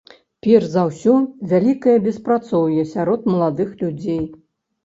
Перш за ўсё, вялікае беспрацоўе сярод маладых людзей.